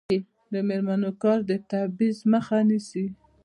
د میرمنو کار د تبعیض مخه نیسي.